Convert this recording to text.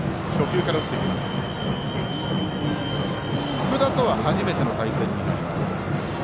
福田とは初めての対戦になります。